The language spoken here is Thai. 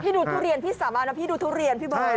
ดูทุเรียนพี่สาบานนะพี่ดูทุเรียนพี่เบิร์ต